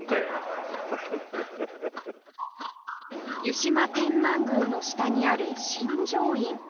湯島天満宮の下にある心城院